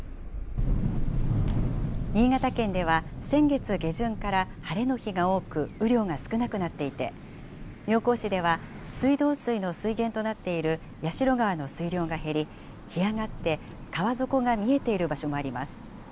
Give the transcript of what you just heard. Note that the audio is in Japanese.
新潟県では先月下旬から晴れの日が多く、雨量が少なくなっていて、妙高市では水道水の水源となっている矢代川の水量が減り、干上がって川底が見えている場所もあります。